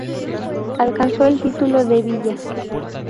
Alcanzó el título de villa.